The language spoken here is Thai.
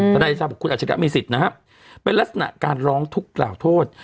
นายเดชาบอกคุณอัจฉริยะมีสิทธิ์นะครับเป็นลักษณะการร้องทุกข์กล่าวโทษ